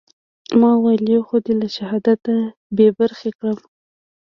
ما وويل يو خو دې له شهادته بې برخې کړم.